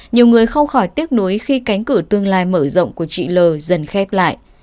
nhiều người không khỏi tiếc nuối khi cánh cửa tương lai mở rộng của chị l dần khép lại